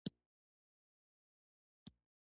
سندره د تل لپاره یاده پاتې شي